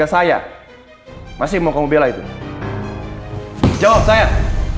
anda mereka atau apakah jako wah naar